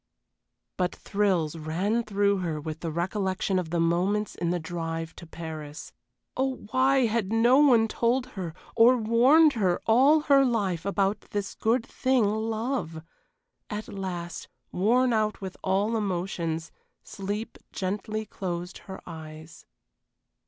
But thrills ran through her with the recollection of the moments in the drive to Paris oh, why had no one told her or warned her all her life about this good thing love? At last, worn out with all emotions, sleep gently closed her eyes.